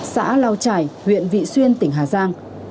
xã lào trải huyện vị xuyên tỉnh hà giang